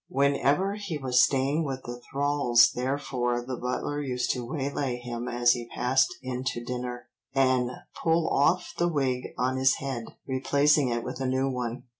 Whenever he was staying with the Thrales therefore the butler used to waylay him as he passed in to dinner, and pull off the wig on his head, replacing it with a new one.